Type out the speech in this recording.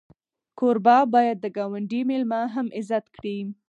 کوربه باید د ګاونډي میلمه هم عزت کړي.